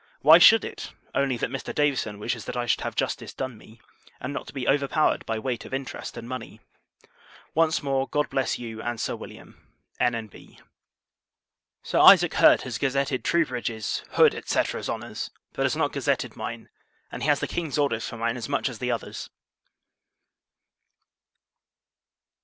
Why should it? only that Mr. Davison wishes that I should have justice done me, and not to be overpowered by weight of interest and money. Once more, God bless you and Sir William. N. & B. Sir Isaac Heard has gazetted Troubridge's, Hood, &c.'s honours; but has not gazetted mine: and he has the King's orders for mine as much as the others.